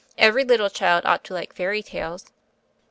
"Every little child ought to like fairy tales."